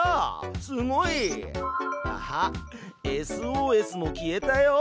すごい！あっＳＯＳも消えたよ！